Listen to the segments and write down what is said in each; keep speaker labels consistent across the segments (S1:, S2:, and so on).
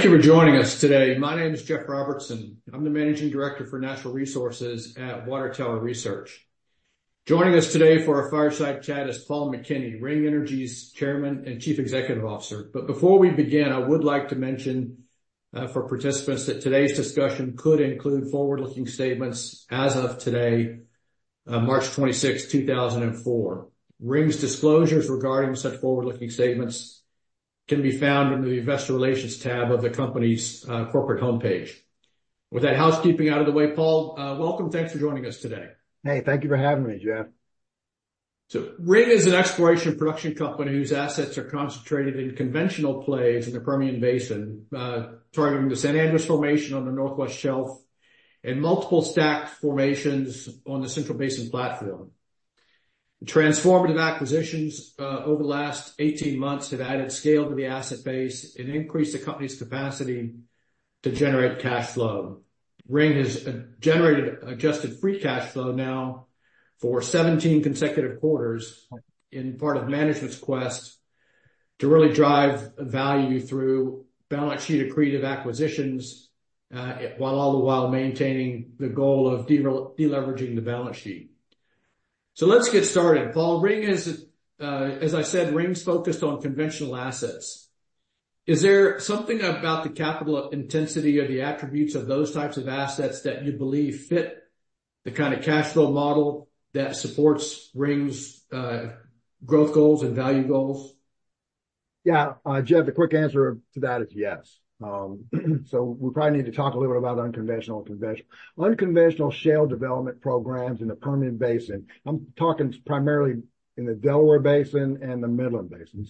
S1: Thank you for joining us today. My name is Jeff Robertson. I'm the Managing Director for Natural Resources at Water Tower Research. Joining us today for a fireside chat is Paul McKinney, Ring Energy's Chairman and Chief Executive Officer. Before we begin, I would like to mention for participants that today's discussion could include forward-looking statements as of today, March 26, 2004. Ring's disclosures regarding such forward-looking statements can be found under the Investor Relations tab of the company's corporate homepage. With that housekeeping out of the way, Paul, welcome. Thanks for joining us today.
S2: Hey. Thank you for having me, Jeff.
S1: So Ring is an exploration production company whose assets are concentrated in conventional plays in the Permian Basin, targeting the San Andres Formation on the Northwest Shelf and multiple stacked formations on the Central Basin Platform. Transformative acquisitions over the last 18 months have added scale to the asset base and increased the company's capacity to generate cash flow. Ring has generated adjusted free cash flow now for 17 consecutive quarters in part of management's quest to really drive value through balance sheet accretive acquisitions while all the while maintaining the goal of deleveraging the balance sheet. So let's get started. Paul, Ring is as I said, Ring's focused on conventional assets. Is there something about the capital intensity or the attributes of those types of assets that you believe fit the kind of cash flow model that supports Ring's growth goals and value goals?
S2: Yeah. Jeff, the quick answer to that is yes. So we probably need to talk a little bit about unconventional and conventional. Unconventional shale development programs in the Permian Basin (I'm talking primarily in the Delaware Basin and the Midland Basin)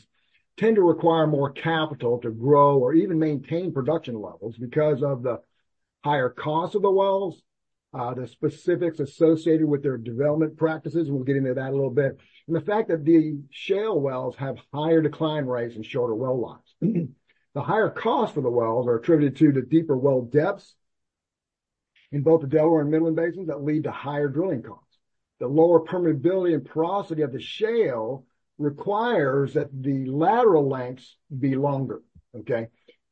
S2: tend to require more capital to grow or even maintain production levels because of the higher cost of the wells, the specifics associated with their development practices. And we'll get into that a little bit. And the fact that the shale wells have higher decline rates and shorter well lives. The higher costs for the wells are attributed to the deeper well depths in both the Delaware and Midland Basins that lead to higher drilling costs. The lower permeability and porosity of the shale requires that the lateral lengths be longer, okay?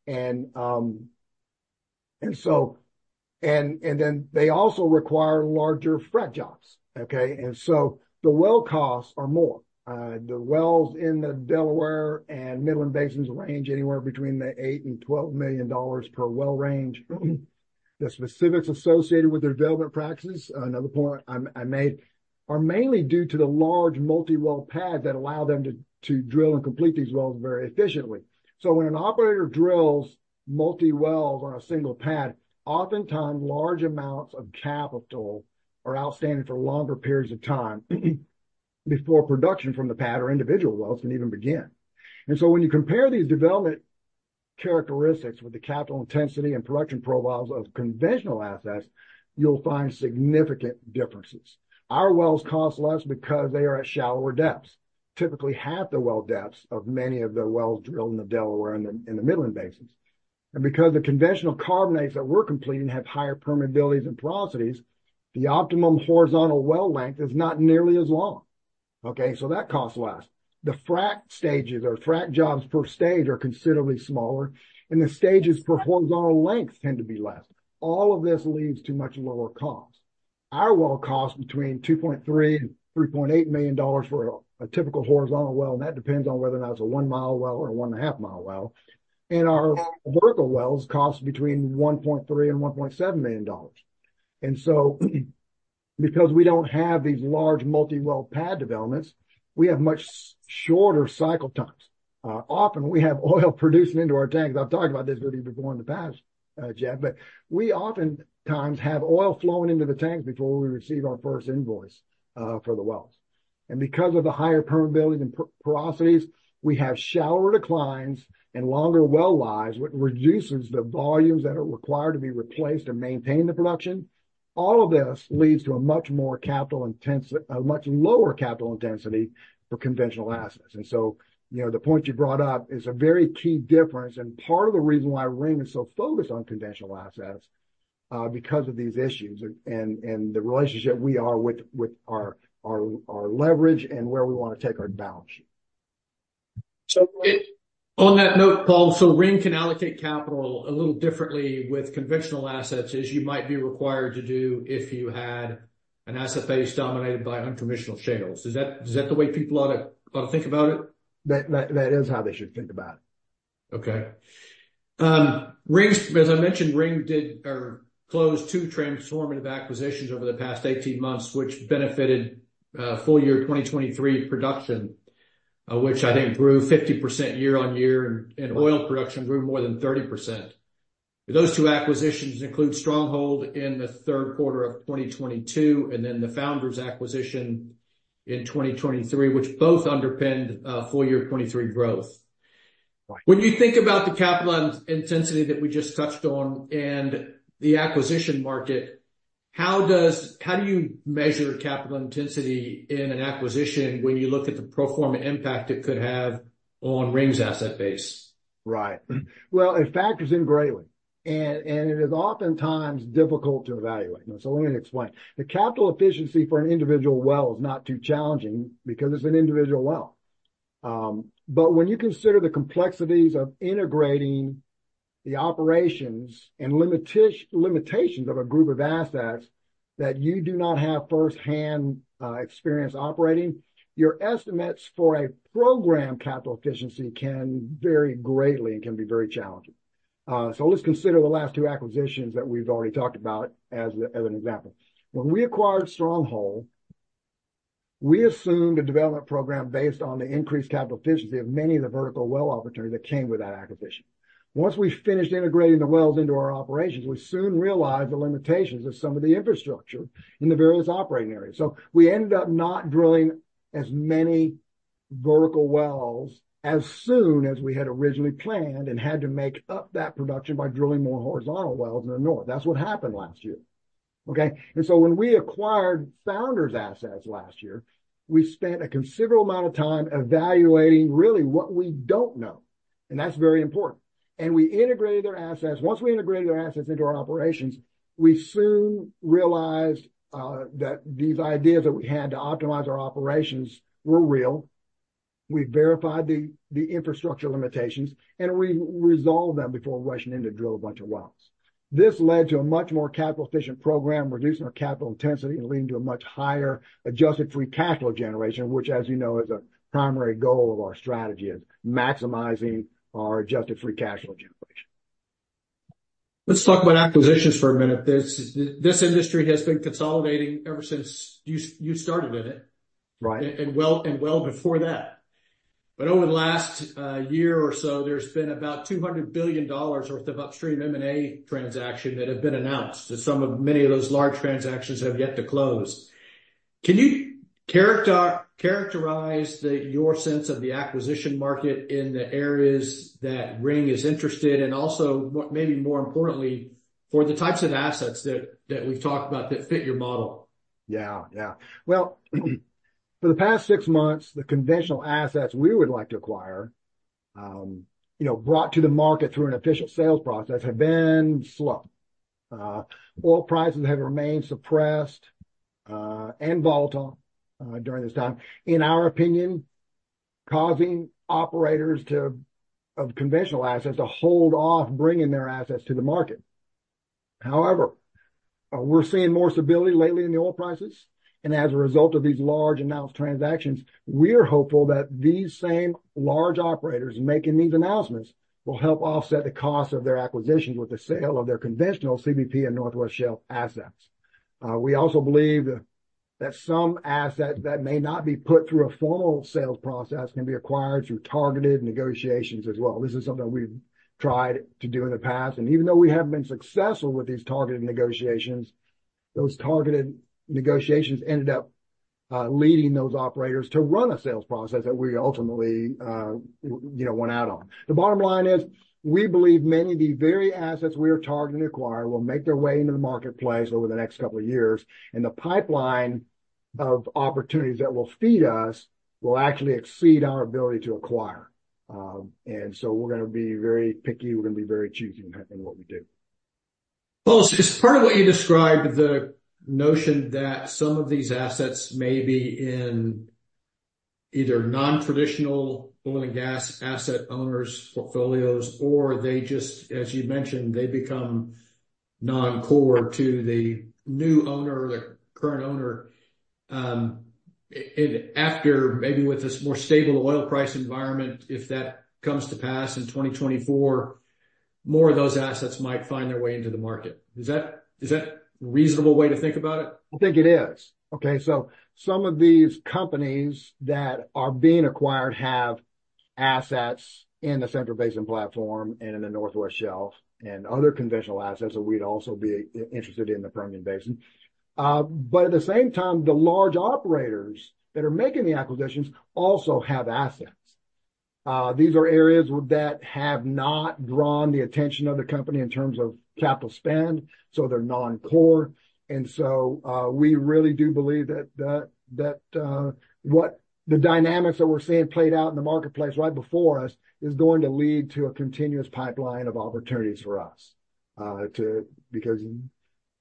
S2: And so and then they also require larger frac jobs, okay? And so the well costs are more. The wells in the Delaware and Midland Basins range anywhere between the $8-$12 million per well range. The specifics associated with their development practices, another point I made, are mainly due to the large multiwell pads that allow them to drill and complete these wells very efficiently. So when an operator drills multiwells on a single pad, oftentimes large amounts of capital are outstanding for longer periods of time before production from the pad or individual wells can even begin. And so when you compare these development characteristics with the capital intensity and production profiles of conventional assets, you'll find significant differences. Our wells cost less because they are at shallower depths, typically half the well depths of many of the wells drilled in the Delaware and the Midland Basins. Because the conventional carbonates that we're completing have higher permeabilities and porosities, the optimum horizontal well length is not nearly as long, okay? So that costs less. The frac stages or frac jobs per stage are considerably smaller, and the stages per horizontal length tend to be less. All of this leads to much lower costs. Our well costs between $2.3 million-$3.8 million for a typical horizontal well, and that depends on whether or not it's a 1-mile well or a 1.5-mile well. Our vertical wells cost between $1.3 million-$1.7 million. So because we don't have these large multiwell pad developments, we have much shorter cycle times. Often, we have oil produced into our tanks. I've talked about this with you before in the past, Jeff, but we oftentimes have oil flowing into the tanks before we receive our first invoice for the wells. Because of the higher permeabilities and porosities, we have shallower declines and longer well lives, which reduces the volumes that are required to be replaced to maintain the production. All of this leads to a much lower capital intensity for conventional assets. So the point you brought up is a very key difference, and part of the reason why Ring is so focused on conventional assets is because of these issues and the relationship we are with our leverage and where we want to take our balance sheet.
S1: So on that note, Paul, so Ring can allocate capital a little differently with conventional assets as you might be required to do if you had an asset base dominated by unconventional shales. Is that the way people ought to think about it?
S2: That is how they should think about it.
S1: Okay. Ring's, as I mentioned, Ring did or closed two transformative acquisitions over the past 18 months, which benefited full year 2023 production, which I think grew 50% year-on-year, and oil production grew more than 30%. Those two acquisitions include Stronghold in the third quarter of 2022 and then the Founders acquisition in 2023, which both underpinned full year 2023 growth. When you think about the capital intensity that we just touched on and the acquisition market, how do you measure capital intensity in an acquisition when you look at the pro forma impact it could have on Ring's asset base?
S2: Right. Well, it factors in greatly, and it is oftentimes difficult to evaluate. So let me explain. The capital efficiency for an individual well is not too challenging because it's an individual well. But when you consider the complexities of integrating the operations and limitations of a group of assets that you do not have firsthand experience operating, your estimates for a program capital efficiency can vary greatly and can be very challenging. So let's consider the last two acquisitions that we've already talked about as an example. When we acquired Stronghold, we assumed a development program based on the increased capital efficiency of many of the vertical well opportunities that came with that acquisition. Once we finished integrating the wells into our operations, we soon realized the limitations of some of the infrastructure in the various operating areas. So we ended up not drilling as many vertical wells as soon as we had originally planned and had to make up that production by drilling more horizontal wells in the north. That's what happened last year, okay? When we acquired Founders assets last year, we spent a considerable amount of time evaluating really what we don't know, and that's very important. We integrated their assets. Once we integrated their assets into our operations, we soon realized that these ideas that we had to optimize our operations were real. We verified the infrastructure limitations, and we resolved them before rushing in to drill a bunch of wells. This led to a much more capital-efficient program, reducing our capital intensity and leading to a much higher Adjusted Free Cash Flow generation, which, as you know, is a primary goal of our strategy: maximizing our Adjusted Free Cash Flow generation.
S1: Let's talk about acquisitions for a minute. This industry has been consolidating ever since you started in it and well before that. But over the last year or so, there's been about $200 billion worth of upstream M&A transactions that have been announced, and many of those large transactions have yet to close. Can you characterize your sense of the acquisition market in the areas that Ring is interested in and also, maybe more importantly, for the types of assets that we've talked about that fit your model?
S2: Yeah. Yeah. Well, for the past six months, the conventional assets we would like to acquire, brought to the market through an official sales process, have been slow. Oil prices have remained suppressed and volatile during this time, in our opinion, causing operators of conventional assets to hold off bringing their assets to the market. However, we're seeing more stability lately in the oil prices, and as a result of these large announced transactions, we're hopeful that these same large operators making these announcements will help offset the costs of their acquisitions with the sale of their conventional CBP and Northwest Shelf assets. We also believe that some assets that may not be put through a formal sales process can be acquired through targeted negotiations as well. This is something we've tried to do in the past. And even though we have been successful with these targeted negotiations, those targeted negotiations ended up leading those operators to run a sales process that we ultimately went out on. The bottom line is we believe many of the very assets we are targeting to acquire will make their way into the marketplace over the next couple of years, and the pipeline of opportunities that will feed us will actually exceed our ability to acquire. And so we're going to be very picky. We're going to be very choosy in what we do.
S1: Paul, as part of what you described, the notion that some of these assets may be in either non-traditional oil and gas asset owners' portfolios, or they just as you mentioned, they become non-core to the new owner or the current owner. And after maybe with this more stable oil price environment, if that comes to pass in 2024, more of those assets might find their way into the market. Is that a reasonable way to think about it?
S2: I think it is. Okay. So some of these companies that are being acquired have assets in the Central Basin Platform and in the Northwest Shelf and other conventional assets that we'd also be interested in in the Permian Basin. But at the same time, the large operators that are making the acquisitions also have assets. These are areas that have not drawn the attention of the company in terms of capital spend, so they're non-core. And so we really do believe that what the dynamics that we're seeing played out in the marketplace right before us is going to lead to a continuous pipeline of opportunities for us because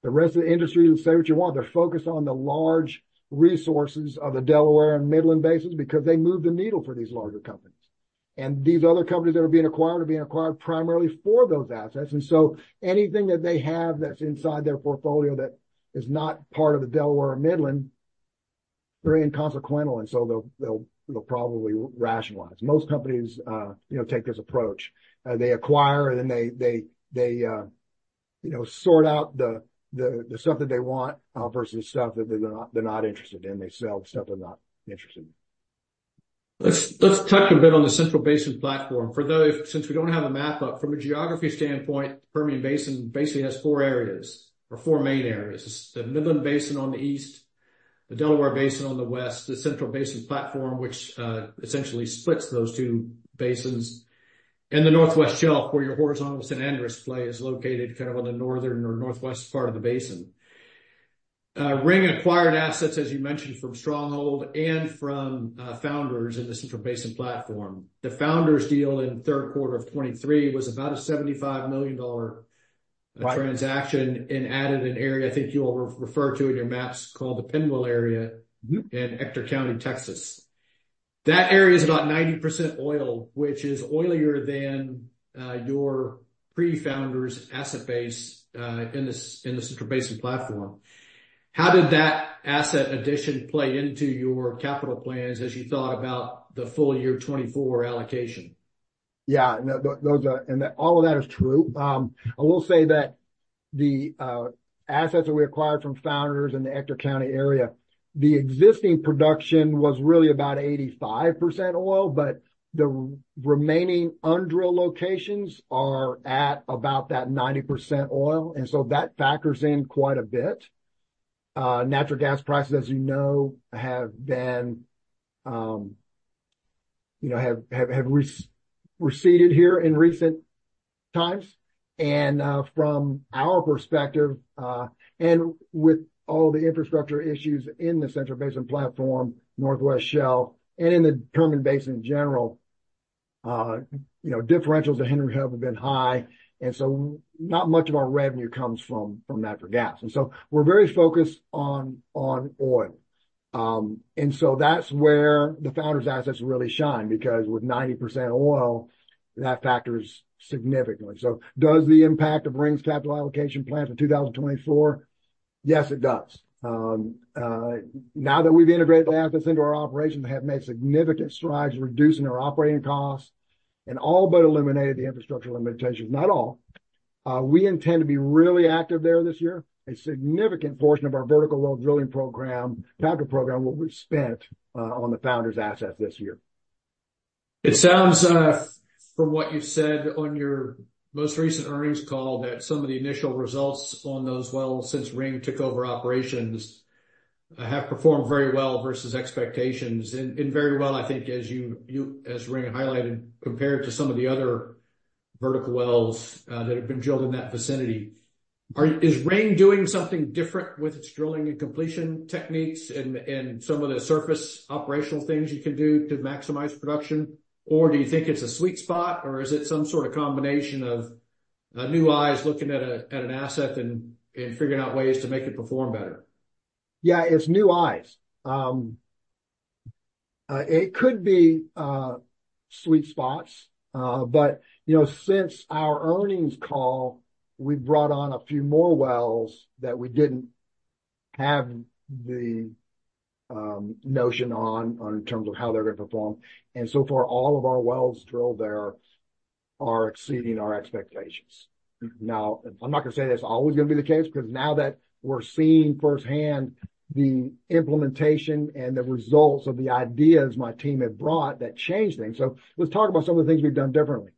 S2: the rest of the industry, say what you want, they're focused on the large resources of the Delaware and Midland Basins because they move the needle for these larger companies. These other companies that are being acquired are being acquired primarily for those assets. So anything that they have that's inside their portfolio that is not part of the Delaware or Midland, they're inconsequential, and so they'll probably rationalize. Most companies take this approach. They acquire, and then they sort out the stuff that they want versus stuff that they're not interested in. They sell stuff they're not interested in.
S1: Let's touch a bit on the Central Basin Platform. Since we don't have a map up, from a geography standpoint, Permian Basin basically has four areas or four main areas: the Midland Basin on the east, the Delaware Basin on the west, the Central Basin Platform, which essentially splits those two basins, and the Northwest Shelf where your horizontal San Andres play is located kind of on the northern or northwest part of the basin. Ring acquired assets, as you mentioned, from Stronghold and from Founders in the Central Basin Platform. The Founders deal in third quarter of 2023 was about a $75 million transaction and added an area, I think you all refer to in your maps, called the Penwell area in Ector County, Texas. That area is about 90% oil, which is oilier than your pre-Founders asset base in the Central Basin Platform. How did that asset addition play into your capital plans as you thought about the full year 2024 allocation?
S2: Yeah. And all of that is true. I will say that the assets that we acquired from Founders in the Ector County area, the existing production was really about 85% oil, but the remaining undrill locations are at about that 90% oil, and so that factors in quite a bit. Natural gas prices, as you know, have receded here in recent times. And from our perspective and with all the infrastructure issues in the Central Basin Platform, Northwest Shelf, and in the Permian Basin in general, differentials to Henry Hub have been high, and so not much of our revenue comes from natural gas. And so we're very focused on oil. And so that's where the Founders assets really shine because with 90% oil, that factors significantly. So does the impact of Ring's capital allocation plans for 2024? Yes, it does. Now that we've integrated the assets into our operations, they have made significant strides reducing our operating costs and all but eliminated the infrastructure limitations, not all. We intend to be really active there this year. A significant portion of our vertical well drilling program, capital program, will be spent on the Founders assets this year.
S1: It sounds, from what you've said on your most recent earnings call, that some of the initial results on those wells since Ring took over operations have performed very well versus expectations. Very well, I think, as Ring highlighted, compared to some of the other vertical wells that have been drilled in that vicinity. Is Ring doing something different with its drilling and completion techniques and some of the surface operational things you can do to maximize production, or do you think it's a sweet spot, or is it some sort of combination of new eyes looking at an asset and figuring out ways to make it perform better?
S2: Yeah. It's new eyes. It could be sweet spots. But since our earnings call, we brought on a few more wells that we didn't have the notion on in terms of how they're going to perform. And so far, all of our wells drilled there are exceeding our expectations. Now, I'm not going to say that's always going to be the case because now that we're seeing firsthand the implementation and the results of the ideas my team had brought, that changed things. So let's talk about some of the things we've done differently.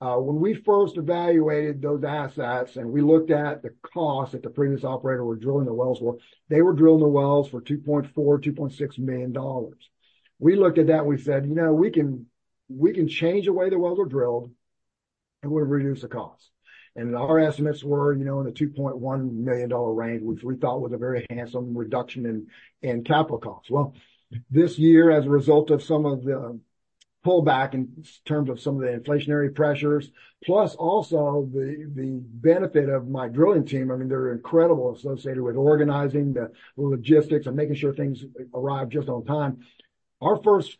S2: When we first evaluated those assets and we looked at the cost that the previous operator were drilling the wells for, they were drilling the wells for $2.4 million-$2.6 million. We looked at that, and we said, "We can change the way the wells are drilled, and we'll reduce the cost." And our estimates were in the $2.1 million range, which we thought was a very handsome reduction in capital costs. Well, this year, as a result of some of the pullback in terms of some of the inflationary pressures, plus also the benefit of my drilling team—I mean, they're incredible associated with organizing the logistics and making sure things arrive just on time—our first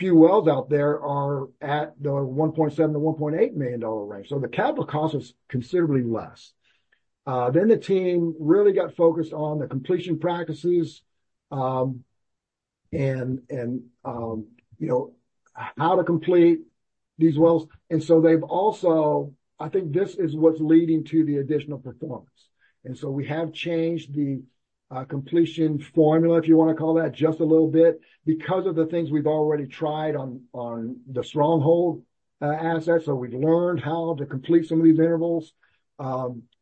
S2: few wells out there are at the $1.7-$1.8 million range. So the capital cost was considerably less. Then the team really got focused on the completion practices and how to complete these wells. And so they've also—I think this is what's leading to the additional performance. And so we have changed the completion formula, if you want to call that, just a little bit because of the things we've already tried on the Stronghold assets. So we've learned how to complete some of these intervals,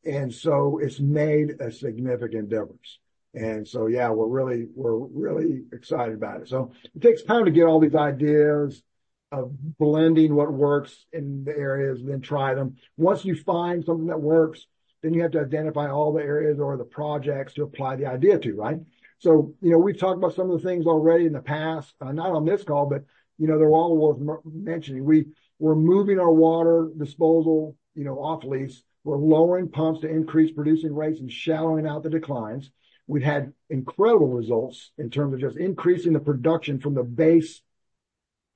S2: and so it's made a significant difference. And so, yeah, we're really excited about it. So it takes time to get all these ideas of blending what works in the areas and then try them. Once you find something that works, then you have to identify all the areas or the projects to apply the idea to, right? So we've talked about some of the things already in the past, not on this call, but they're all worth mentioning. We're moving our water disposal off-lease. We're lowering pumps to increase producing rates and shallowing out the declines. We've had incredible results in terms of just increasing the production from the base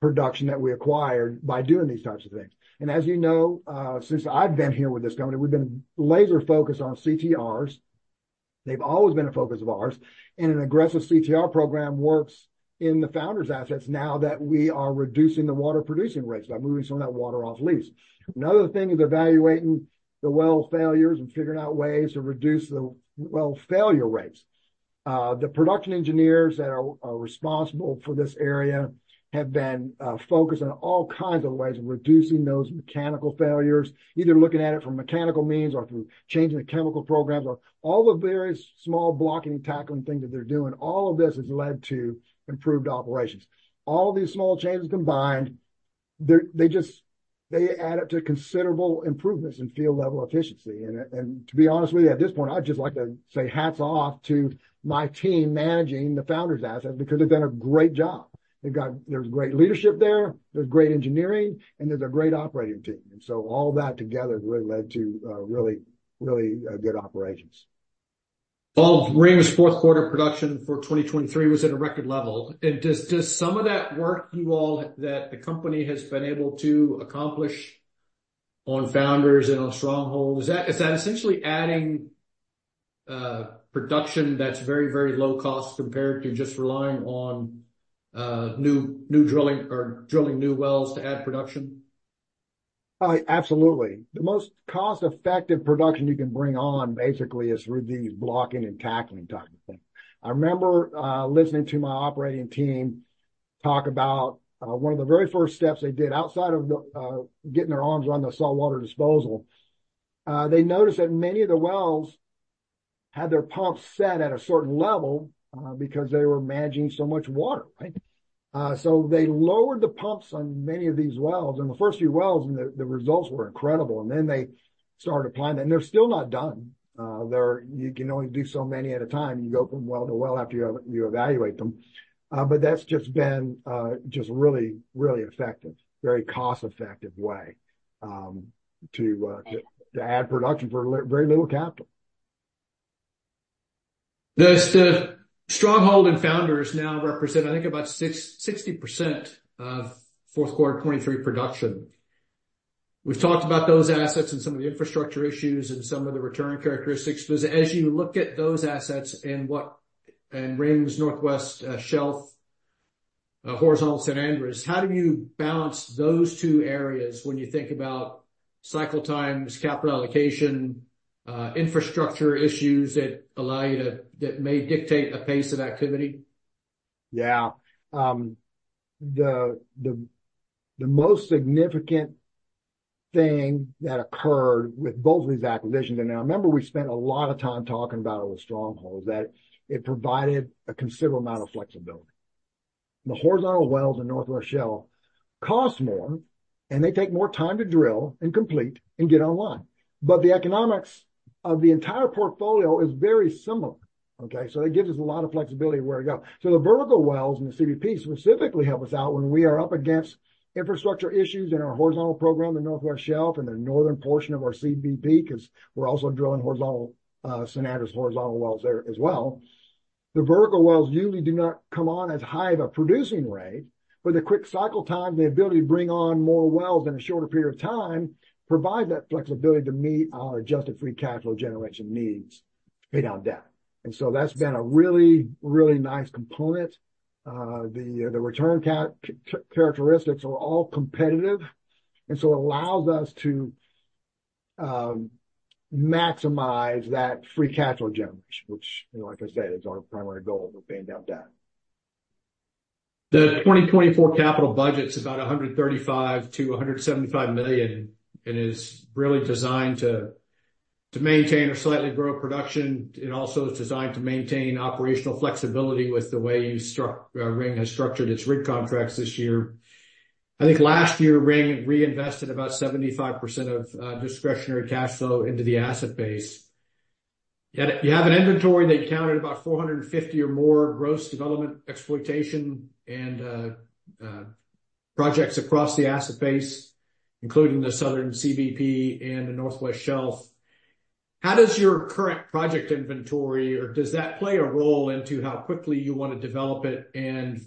S2: production that we acquired by doing these types of things. And as you know, since I've been here with this company, we've been laser-focused on CTRs. They've always been a focus of ours. And an aggressive CTR program works in the Founders assets now that we are reducing the water producing rates by moving some of that water off-lease. Another thing is evaluating the well failures and figuring out ways to reduce the well failure rates. The production engineers that are responsible for this area have been focused on all kinds of ways of reducing those mechanical failures, either looking at it from mechanical means or through changing the chemical programs or all the various small blocking and tackling things that they're doing. All of this has led to improved operations. All of these small changes combined, they add up to considerable improvements in field-level efficiency. To be honest with you, at this point, I'd just like to say hats off to my team managing the Founders assets because they've done a great job. There's great leadership there. There's great engineering, and there's a great operating team. So all that together has really led to really, really good operations.
S1: Paul, Ring's fourth quarter production for 2023 was at a record level. Does some of that work that the company has been able to accomplish on Founders and on Stronghold essentially add production that's very, very low-cost compared to just relying on new drilling or drilling new wells to add production?
S2: Absolutely. The most cost-effective production you can bring on, basically, is through these blocking and tackling type of things. I remember listening to my operating team talk about one of the very first steps they did outside of getting their arms around the saltwater disposal. They noticed that many of the wells had their pumps set at a certain level because they were managing so much water, right? So they lowered the pumps on many of these wells. And the first few wells, the results were incredible. And then they started applying that. And they're still not done. You can only do so many at a time. You go from well to well after you evaluate them. But that's just been just really, really effective, very cost-effective way to add production for very little capital.
S1: Does the Stronghold and Founders now represent, I think, about 60% of fourth-quarter 2023 production? We've talked about those assets and some of the infrastructure issues and some of the return characteristics. But as you look at those assets and Ring's Northwest Shelf, horizontal San Andres, how do you balance those two areas when you think about cycle times, capital allocation, infrastructure issues that may dictate a pace of activity?
S2: Yeah. The most significant thing that occurred with both of these acquisitions - and now remember we spent a lot of time talking about it with Stronghold - is that it provided a considerable amount of flexibility. The horizontal wells in Northwest Shelf cost more, and they take more time to drill and complete and get online. But the economics of the entire portfolio is very similar, okay? So it gives us a lot of flexibility of where to go. So the vertical wells and the CBP specifically help us out when we are up against infrastructure issues in our horizontal program, the Northwest Shelf, and the northern portion of our CBP because we're also drilling San Andres horizontal wells there as well. The vertical wells usually do not come on as high of a producing rate, but the quick cycle times and the ability to bring on more wells in a shorter period of time provide that flexibility to meet our adjusted free cash flow generation needs to pay down debt. And so that's been a really, really nice component. The return characteristics are all competitive, and so it allows us to maximize that free cash flow generation, which, like I said, is our primary goal of paying down debt.
S1: The 2024 capital budget's about $135 million-$175 million and is really designed to maintain or slightly grow production. It also is designed to maintain operational flexibility with the way Ring has structured its rig contracts this year. I think last year, Ring reinvested about 75% of discretionary cash flow into the asset base. You have an inventory that you counted about 450 or more gross development, exploitation, and projects across the asset base, including the southern CBP and the Northwest Shelf. How does your current project inventory, or does that play a role into how quickly you want to develop it and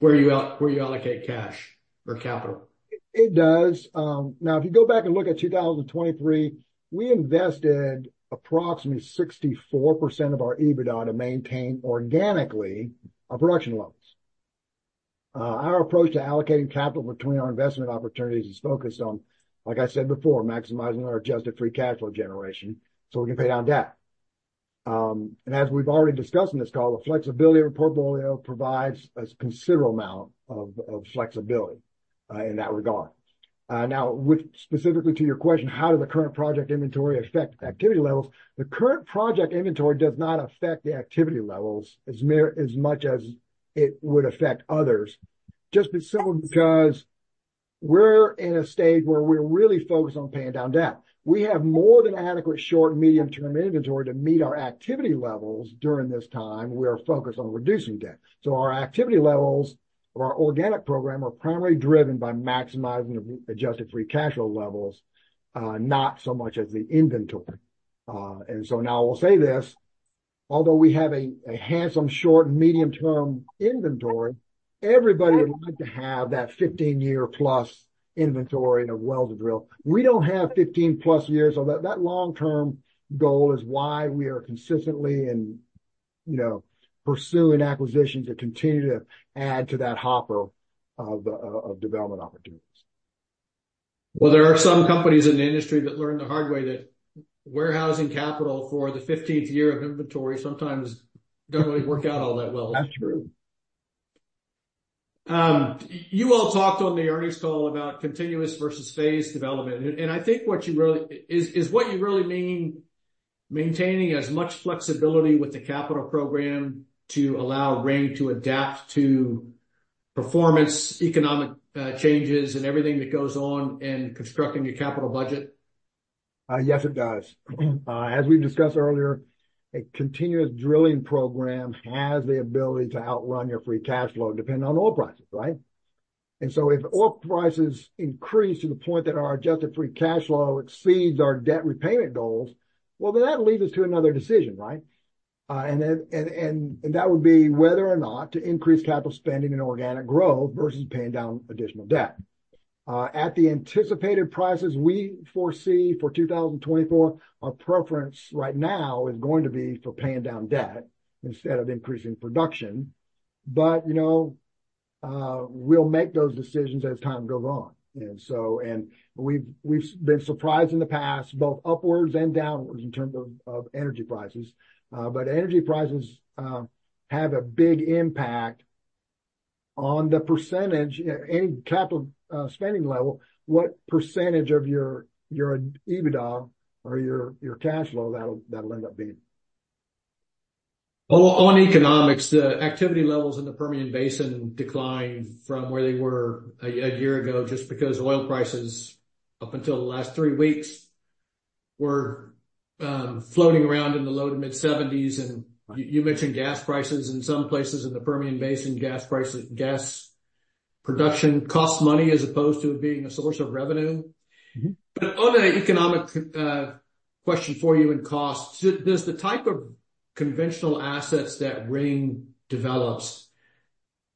S1: where you allocate cash or capital?
S2: It does. Now, if you go back and look at 2023, we invested approximately 64% of our EBITDA to maintain organically our production levels. Our approach to allocating capital between our investment opportunities is focused on, like I said before, maximizing our adjusted free capital generation so we can pay down debt. And as we've already discussed in this call, the flexibility of the portfolio provides a considerable amount of flexibility in that regard. Now, specifically to your question, how does the current project inventory affect activity levels? The current project inventory does not affect the activity levels as much as it would affect others, just simply because we're in a stage where we're really focused on paying down debt. We have more than adequate short- and medium-term inventory to meet our activity levels during this time where we're focused on reducing debt. So our activity levels of our organic program are primarily driven by maximizing Adjusted Free Cash Flow levels, not so much as the inventory. And so now I will say this: although we have a handsome short- and medium-term inventory, everybody would like to have that 15-year-plus inventory of wells to drill. We don't have 15-plus years. So that long-term goal is why we are consistently pursuing acquisitions that continue to add to that hopper of development opportunities.
S1: Well, there are some companies in the industry that learn the hard way that warehousing capital for the 15th year of inventory sometimes doesn't really work out all that well.
S2: That's true.
S1: You all talked on the earnings call about continuous versus phased development. I think what you really mean is maintaining as much flexibility with the capital program to allow Ring to adapt to performance, economic changes, and everything that goes on in constructing a capital budget?
S2: Yes, it does. As we've discussed earlier, a continuous drilling program has the ability to outrun your free cash flow depending on oil prices, right? And so if oil prices increase to the point that our adjusted free cash flow exceeds our debt repayment goals, well, then that leads us to another decision, right? And that would be whether or not to increase capital spending in organic growth versus paying down additional debt. At the anticipated prices we foresee for 2024, our preference right now is going to be for paying down debt instead of increasing production. But we'll make those decisions as time goes on. And we've been surprised in the past, both upwards and downwards in terms of energy prices. But energy prices have a big impact on the percentage any capital spending level, what percentage of your EBITDA or your cash flow that'll end up being.
S1: Well, on economics, the activity levels in the Permian Basin declined from where they were a year ago just because oil prices up until the last three weeks were floating around in the low-to-mid-70s. And you mentioned gas prices in some places in the Permian Basin, gas production costs money as opposed to it being a source of revenue. But on an economic question for you and cost, does the type of conventional assets that Ring develops,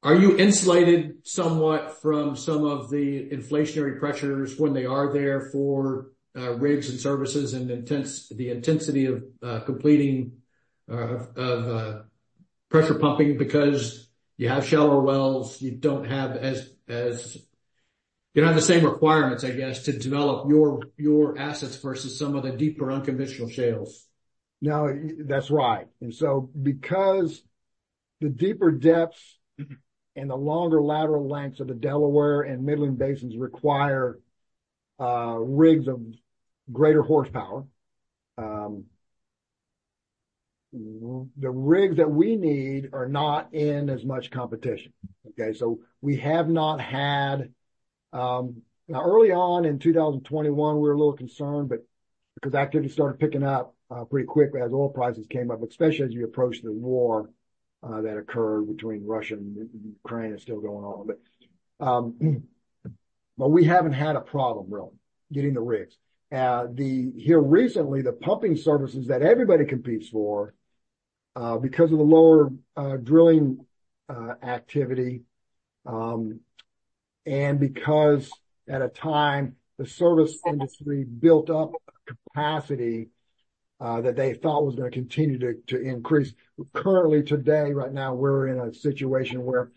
S1: are you insulated somewhat from some of the inflationary pressures when they are there for rigs and services and the intensity of completing pressure pumping because you have shallow wells? You don't have as you don't have the same requirements, I guess, to develop your assets versus some of the deeper unconventional shales?
S2: No, that's right. And so because the deeper depths and the longer lateral lengths of the Delaware and Midland Basins require rigs of greater horsepower, the rigs that we need are not in as much competition, okay? So we have not had now. Early on in 2021, we were a little concerned because activity started picking up pretty quickly as oil prices came up, especially as you approach the war that occurred between Russia and Ukraine, is still going on. But we haven't had a problem, really, getting the rigs. Here recently, the pumping services that everybody competes for because of the lower drilling activity and because, at a time, the service industry built up capacity that they thought was going to continue to increase. Currently, today, right now, we're in a situation where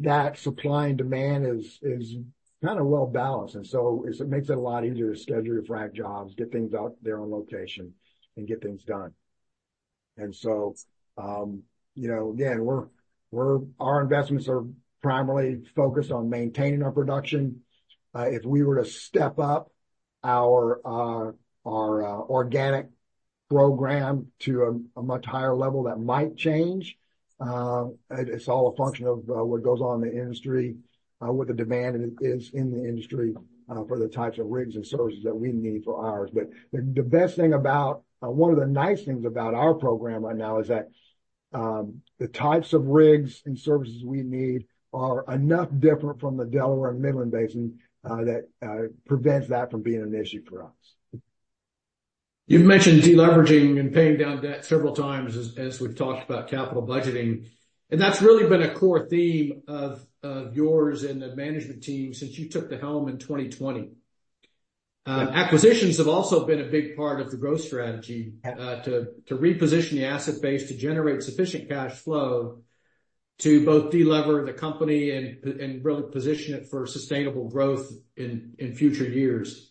S2: that supply and demand is kind of well-balanced. And so it makes it a lot easier to schedule your frac jobs, get things out there on location, and get things done. And so, again, our investments are primarily focused on maintaining our production. If we were to step up our organic program to a much higher level, that might change. It's all a function of what goes on in the industry, what the demand is in the industry for the types of rigs and services that we need for ours. But the best thing about one of the nice things about our program right now is that the types of rigs and services we need are enough different from the Delaware Basin and Midland Basin that prevents that from being an issue for us.
S1: You've mentioned deleveraging and paying down debt several times as we've talked about capital budgeting. That's really been a core theme of yours and the management team since you took the helm in 2020. Acquisitions have also been a big part of the growth strategy to reposition the asset base to generate sufficient cash flow to both delever the company and really position it for sustainable growth in future years.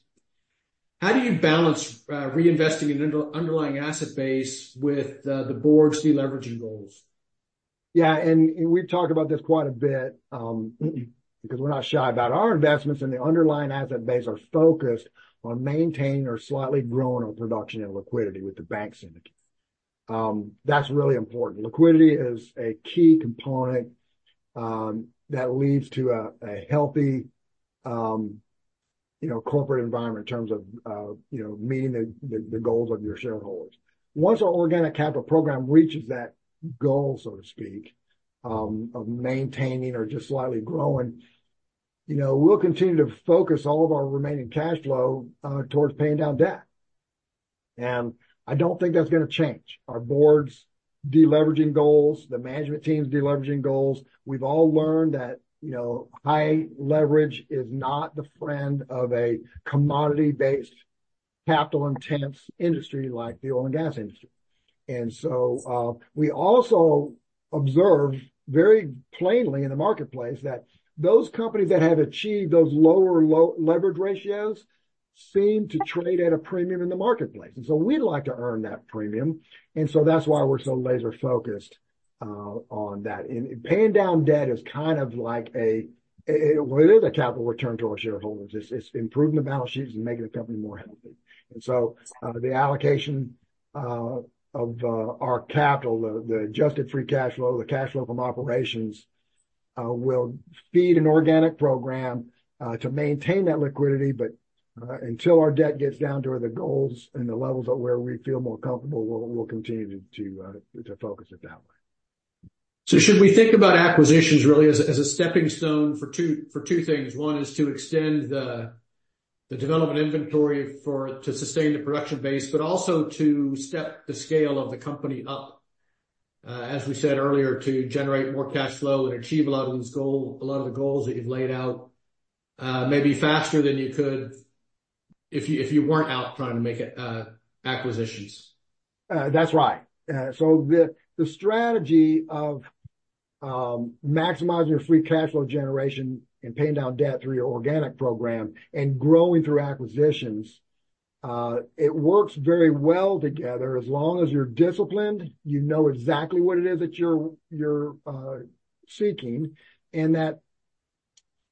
S1: How do you balance reinvesting an underlying asset base with the board's deleveraging goals?
S2: Yeah. We've talked about this quite a bit because we're not shy about our investments. The underlying asset base are focused on maintaining or slightly growing our production and liquidity with the bank syndicate. That's really important. Liquidity is a key component that leads to a healthy corporate environment in terms of meeting the goals of your shareholders. Once our organic capital program reaches that goal, so to speak, of maintaining or just slightly growing, we'll continue to focus all of our remaining cash flow towards paying down debt. I don't think that's going to change. Our board's deleveraging goals, the management team's deleveraging goals, we've all learned that high leverage is not the friend of a commodity-based, capital-intense industry like the oil and gas industry. And so we also observe very plainly in the marketplace that those companies that have achieved those lower leverage ratios seem to trade at a premium in the marketplace. And so we'd like to earn that premium. And so that's why we're so laser-focused on that. And paying down debt is kind of like a well, it is a capital return to our shareholders. It's improving the balance sheets and making the company more healthy. And so the allocation of our capital, the adjusted free cash flow, the cash flow from operations, will feed an organic program to maintain that liquidity. But until our debt gets down to where the goals and the levels at where we feel more comfortable, we'll continue to focus it that way.
S1: So should we think about acquisitions really as a stepping stone for two things? One is to extend the development inventory to sustain the production base, but also to step the scale of the company up, as we said earlier, to generate more cash flow and achieve a lot of these goals a lot of the goals that you've laid out maybe faster than you could if you weren't out trying to make acquisitions?
S2: That's right. So the strategy of maximizing your free cash flow generation and paying down debt through your organic program and growing through acquisitions, it works very well together as long as you're disciplined, you know exactly what it is that you're seeking, and that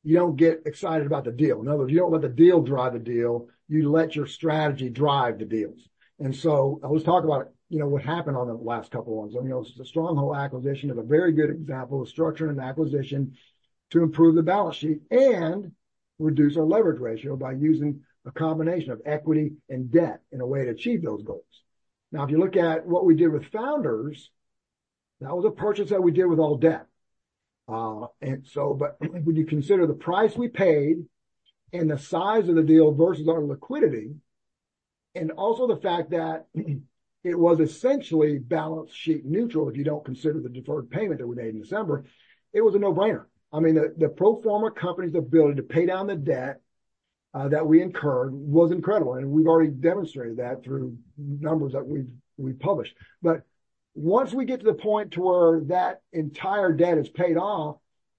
S2: you don't get excited about the deal. In other words, you don't let the deal drive the deal. You let your strategy drive the deals. And so I was talking about what happened on the last couple of ones. I mean, it was the Stronghold acquisition is a very good example of structuring an acquisition to improve the balance sheet and reduce our leverage ratio by using a combination of equity and debt in a way to achieve those goals. Now, if you look at what we did with Founders, that was a purchase that we did with all debt. But when you consider the price we paid and the size of the deal versus our liquidity and also the fact that it was essentially balance sheet neutral, if you don't consider the deferred payment that we made in December, it was a no-brainer. I mean, the pro forma company's ability to pay down the debt that we incurred was incredible. And we've already demonstrated that through numbers that we've published. But once we get to the point to where that entire debt is paid off,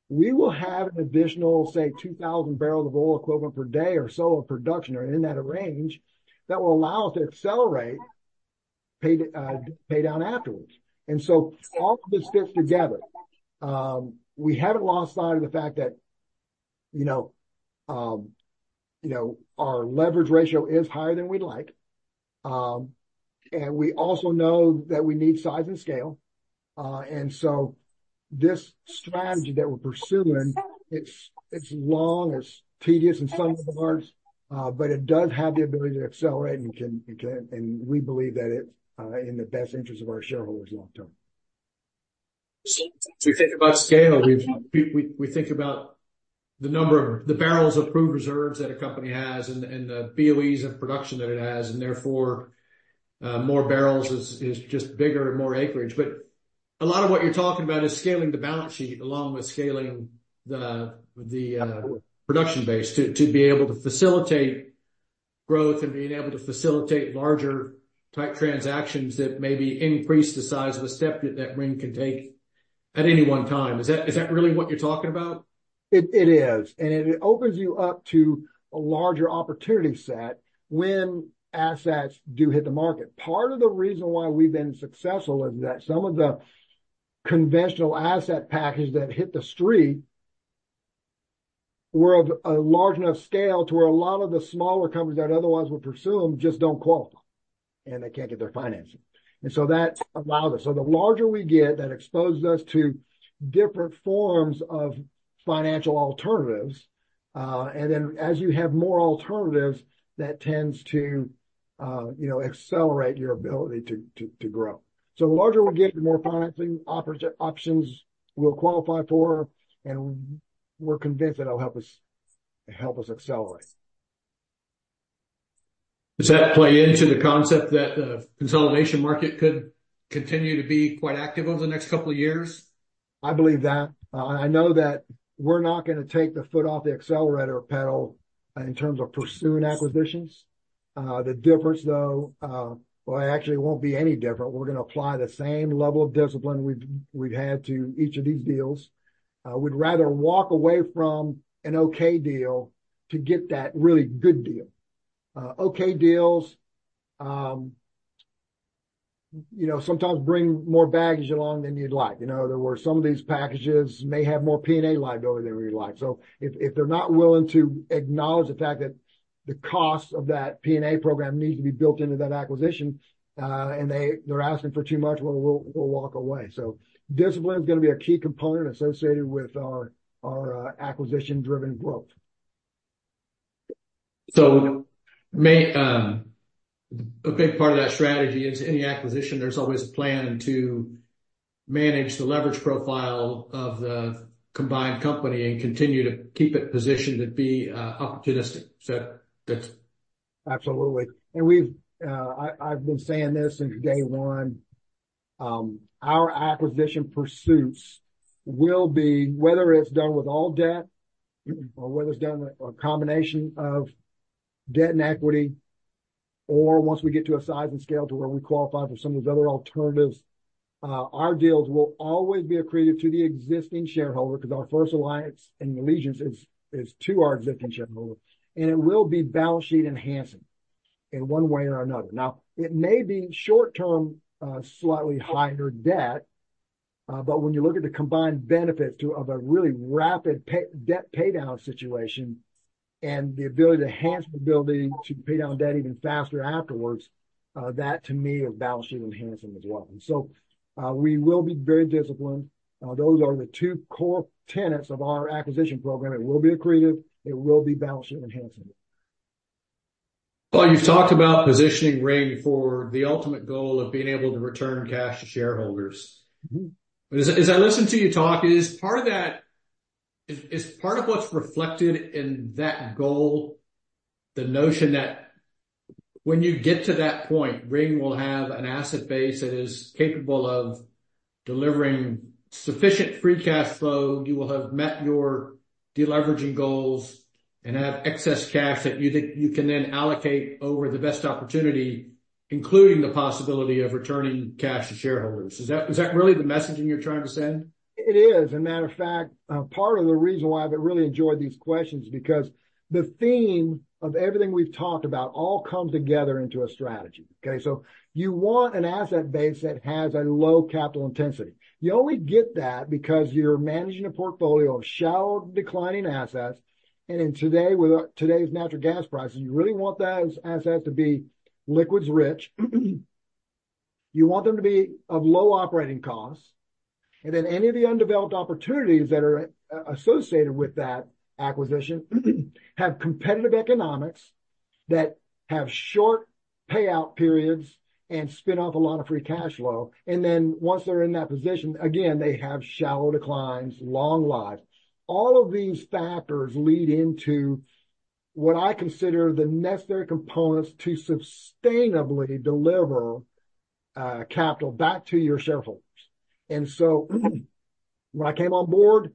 S2: we will have an additional, say, 2,000 barrels of oil equivalent per day or so of production or in that range that will allow us to accelerate paydown afterwards. And so all of this fits together. We haven't lost sight of the fact that our leverage ratio is higher than we'd like. And we also know that we need size and scale. This strategy that we're pursuing, it's long, it's tedious in some regards, but it does have the ability to accelerate. We believe that it's in the best interests of our shareholders long term.
S1: So if we think about scale, we think about the number of the barrels of crude reserves that a company has and the BOEs of production that it has, and therefore, more barrels is just bigger and more acreage. But a lot of what you're talking about is scaling the balance sheet along with scaling the production base to be able to facilitate growth and being able to facilitate larger-type transactions that maybe increase the size of the step that Ring can take at any one time. Is that really what you're talking about?
S2: It is. And it opens you up to a larger opportunity set when assets do hit the market. Part of the reason why we've been successful is that some of the conventional asset packages that hit the street were of a large enough scale to where a lot of the smaller companies that otherwise would pursue them just don't qualify, and they can't get their financing. And so that allowed us, the larger we get, that exposes us to different forms of financial alternatives. And then as you have more alternatives, that tends to accelerate your ability to grow. So the larger we get, the more financing options we'll qualify for. And we're convinced that it'll help us accelerate.
S1: Does that play into the concept that the consolidation market could continue to be quite active over the next couple of years?
S2: I believe that. I know that we're not going to take the foot off the accelerator pedal in terms of pursuing acquisitions. The difference, though, well, it actually won't be any different. We're going to apply the same level of discipline we've had to each of these deals. We'd rather walk away from an okay deal to get that really good deal. Okay deals sometimes bring more baggage along than you'd like. There were some of these packages may have more P&A liability than we'd like. So if they're not willing to acknowledge the fact that the costs of that P&A program need to be built into that acquisition and they're asking for too much, well, we'll walk away. So discipline is going to be a key component associated with our acquisition-driven growth.
S1: So a big part of that strategy is any acquisition, there's always a plan to manage the leverage profile of the combined company and continue to keep it positioned and be opportunistic. Is that?
S2: Absolutely. And I've been saying this since day one. Our acquisition pursuits will be whether it's done with all debt or whether it's done with a combination of debt and equity or once we get to a size and scale to where we qualify for some of these other alternatives, our deals will always be accretive to the existing shareholder because our first allegiance is to our existing shareholder. And it will be balance sheet enhancing in one way or another. Now, it may be short-term, slightly higher debt. But when you look at the combined benefits of a really rapid debt paydown situation and the ability to enhance the ability to pay down debt even faster afterwards, that, to me, is balance sheet enhancing as well. And so we will be very disciplined. Those are the two core tenets of our acquisition program. It will be accretive. It will be balance sheet enhancing.
S1: Well, you've talked about positioning Ring for the ultimate goal of being able to return cash to shareholders. As I listen to you talk, is part of what's reflected in that goal, the notion that when you get to that point, Ring will have an asset base that is capable of delivering sufficient free cash flow, you will have met your deleveraging goals, and have excess cash that you can then allocate over the best opportunity, including the possibility of returning cash to shareholders. Is that really the messaging you're trying to send?
S2: It is. And matter of fact, part of the reason why I've really enjoyed these questions is because the theme of everything we've talked about all comes together into a strategy, okay? So you want an asset base that has a low capital intensity. You only get that because you're managing a portfolio of shallow declining assets. And in today's natural gas prices, you really want those assets to be liquids-rich. You want them to be of low operating costs. And then any of the undeveloped opportunities that are associated with that acquisition have competitive economics that have short payout periods and spin off a lot of free cash flow. And then once they're in that position, again, they have shallow declines, long lives. All of these factors lead into what I consider the necessary components to sustainably deliver capital back to your shareholders. When I came on board,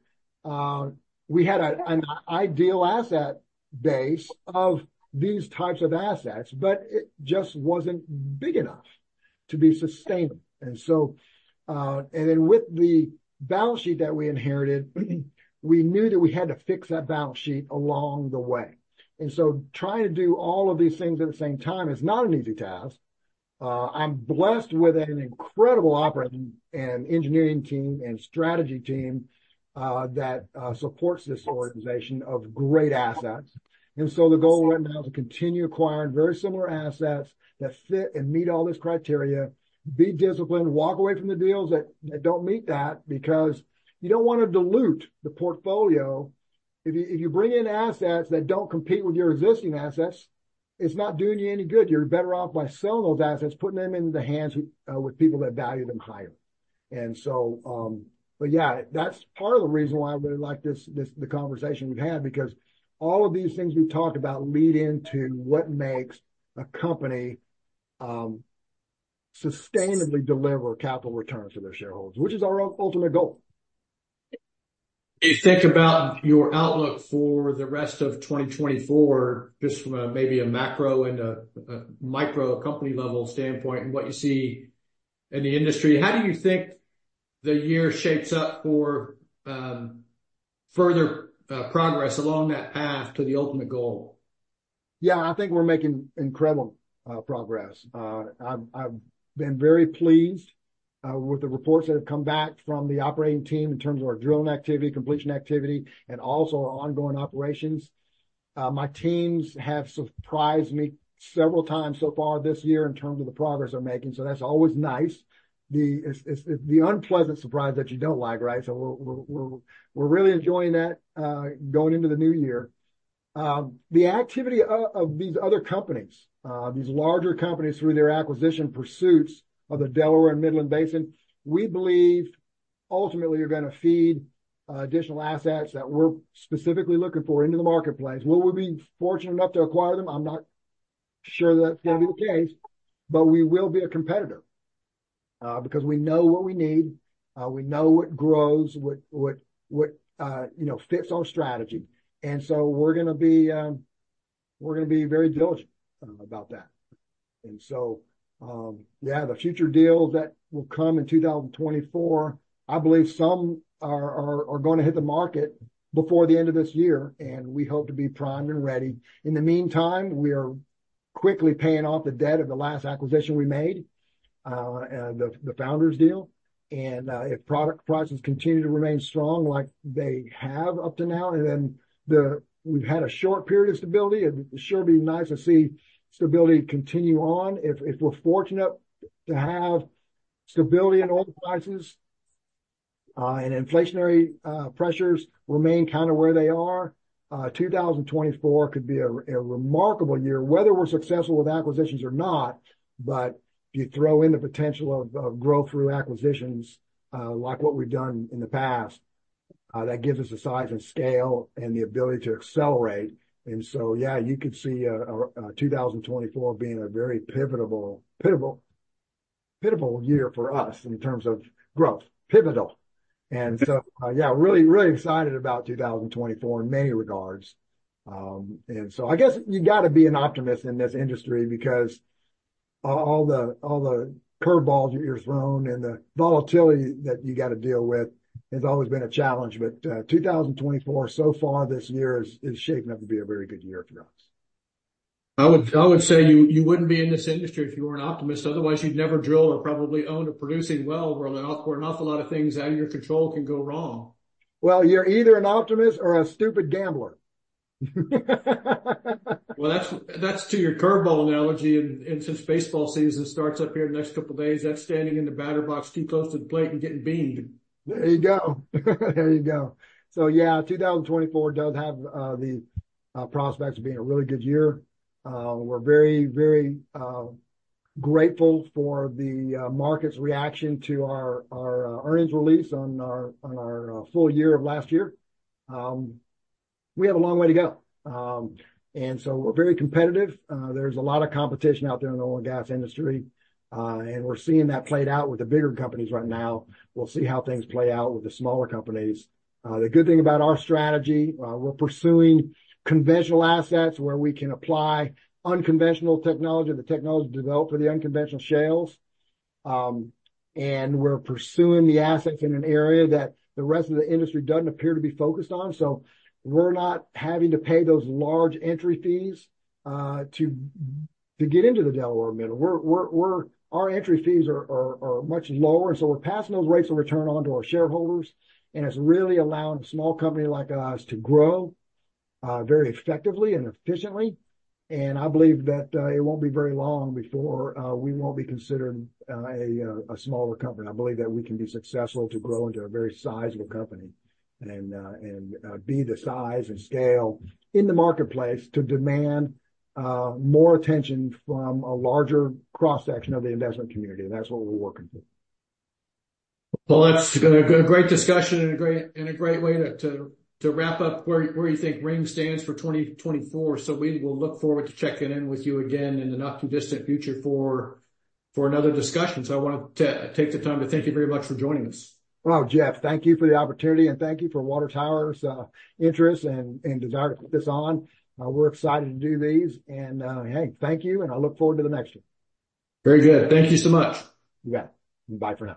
S2: we had an ideal asset base of these types of assets, but it just wasn't big enough to be sustainable. With the balance sheet that we inherited, we knew that we had to fix that balance sheet along the way. Trying to do all of these things at the same time is not an easy task. I'm blessed with an incredible operating and engineering team and strategy team that supports this organization of great assets. The goal right now is to continue acquiring very similar assets that fit and meet all these criteria, be disciplined, walk away from the deals that don't meet that because you don't want to dilute the portfolio. If you bring in assets that don't compete with your existing assets, it's not doing you any good. You're better off by selling those assets, putting them into the hands with people that value them higher. Yeah, that's part of the reason why I really like the conversation we've had because all of these things we've talked about lead into what makes a company sustainably deliver capital returns to their shareholders, which is our ultimate goal.
S1: If you think about your outlook for the rest of 2024, just from maybe a macro and a micro company-level standpoint and what you see in the industry, how do you think the year shapes up for further progress along that path to the ultimate goal?
S2: Yeah, I think we're making incredible progress. I've been very pleased with the reports that have come back from the operating team in terms of our drilling activity, completion activity, and also our ongoing operations. My teams have surprised me several times so far this year in terms of the progress they're making. So that's always nice, the unpleasant surprise that you don't like, right? So we're really enjoying that going into the new year. The activity of these other companies, these larger companies through their acquisition pursuits of the Delaware and Midland Basin, we believe ultimately are going to feed additional assets that we're specifically looking for into the marketplace. Will we be fortunate enough to acquire them? I'm not sure that that's going to be the case. But we will be a competitor because we know what we need. We know what grows, what fits our strategy. And so we're going to be very diligent about that. And so yeah, the future deals that will come in 2024, I believe some are going to hit the market before the end of this year. And we hope to be primed and ready. In the meantime, we are quickly paying off the debt of the last acquisition we made, the Founders' deal. And if prices continue to remain strong like they have up to now, and then we've had a short period of stability, it'd sure be nice to see stability continue on. If we're fortunate enough to have stability in oil prices and inflationary pressures remain kind of where they are, 2024 could be a remarkable year, whether we're successful with acquisitions or not. But if you throw in the potential of growth through acquisitions like what we've done in the past, that gives us the size and scale and the ability to accelerate. And so yeah, you could see 2024 being a very pivotal year for us in terms of growth, pivotal. And so yeah, really, really excited about 2024 in many regards. And so I guess you got to be an optimist in this industry because all the curveballs you're thrown and the volatility that you got to deal with has always been a challenge. But 2024 so far this year is shaping up to be a very good year for us.
S1: I would say you wouldn't be in this industry if you weren't an optimist. Otherwise, you'd never drill or probably own a producing well where an awful lot of things out of your control can go wrong.
S2: Well, you're either an optimist or a stupid gambler.
S1: Well, that's to your curveball analogy. Since baseball season starts up here in the next couple of days, that's standing in the batter's box too close to the plate and getting beamed.
S2: There you go. There you go. So yeah, 2024 does have the prospects of being a really good year. We're very, very grateful for the market's reaction to our earnings release on our full year of last year. We have a long way to go. And so we're very competitive. There's a lot of competition out there in the oil and gas industry. And we're seeing that played out with the bigger companies right now. We'll see how things play out with the smaller companies. The good thing about our strategy, we're pursuing conventional assets where we can apply unconventional technology, the technology developed for the unconventional shales. And we're pursuing the assets in an area that the rest of the industry doesn't appear to be focused on. So we're not having to pay those large entry fees to get into the Delaware-Midland. Our entry fees are much lower. So we're passing those rates of return onto our shareholders. It's really allowing a small company like us to grow very effectively and efficiently. I believe that it won't be very long before we won't be considered a smaller company. I believe that we can be successful to grow into a very sizable company and be the size and scale in the marketplace to demand more attention from a larger cross-section of the investment community. That's what we're working for.
S1: Well, that's a great discussion and a great way to wrap up where you think Ring stands for 2024. So we will look forward to checking in with you again in the not-too-distant future for another discussion. So I want to take the time to thank you very much for joining us.
S2: Well, Jeff, thank you for the opportunity. Thank you for Water Tower's interest and desire to put this on. We're excited to do these. Hey, thank you. I look forward to the next one.
S1: Very good. Thank you so much.
S2: You bet. Goodbye for now.